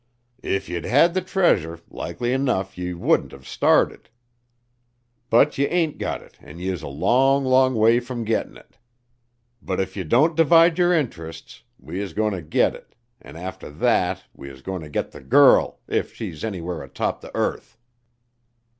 "If ye'd had the treasure, likely 'nuff ye wouldn't have started. But ye ain't gut it an' ye is a long, long way from gettin' it. But if ye don't divide yer intrests, we is goin' ter git it, an' arter that we is goin' ter git th' girl, if she's anywhere atop th' earth."